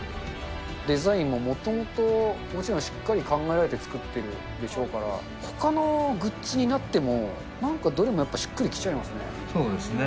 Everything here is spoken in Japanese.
デザインも、もともと、もちろんしっかり考えられて作ってるでしょうから、ほかのグッズになっても、なんか、どれもやっぱりしっくりきちゃいますね。